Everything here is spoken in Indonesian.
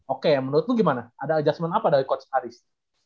oke menurut lu gimana ada adjustment apa dari coach arief